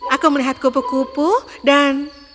aku melihat kupu kupu dan